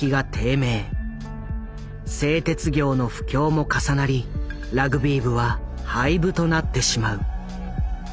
製鉄業の不況も重なりラグビー部は廃部となってしまう。